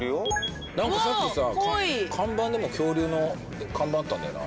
かわいい何かさっきさぁ看板でも恐竜の看板あったんだよな